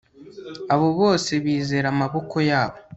abo bose bizera amaboko yabo